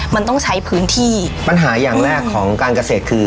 มันต้องใช้พื้นที่ปัญหาอย่างแรกของการเกษตรคือ